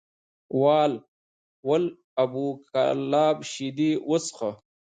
ول ابو کلاب شیدې وڅښه!